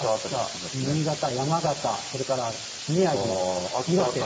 新潟、山形、それから宮城、岩手。